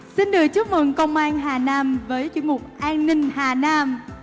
xin được chúc mừng công an hà nam với chuyên mục an ninh hà nam